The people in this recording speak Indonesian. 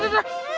udah udah udah